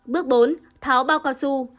bước bốn tháo bao cao su